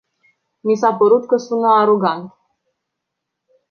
Mi s-a părut că sună arogant.